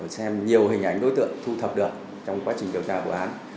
xem nhiều hình ảnh đối tượng thu thập được trong quá trình điều tra vụ án